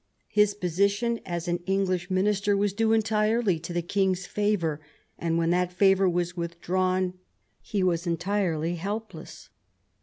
His position as an English minister was due entirely to the king's favour, and when that favour was withdrawn he was entirely helpless.